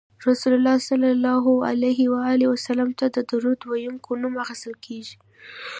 رسول الله ته د درود ویونکي نوم اخیستل کیږي